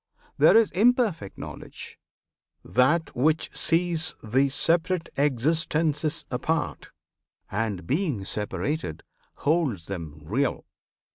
There is imperfect Knowledge: that which sees The separate existences apart, And, being separated, holds them real.